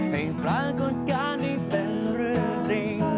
ปรากฏการณ์นี้เป็นเรื่องจริง